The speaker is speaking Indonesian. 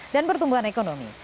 dan pertumbuhan ekonomi